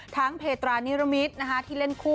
เพตรานิรมิตที่เล่นคู่